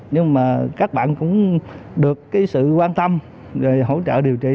nhưng mà các bạn cũng được sự quan tâm rồi hỗ trợ điều trị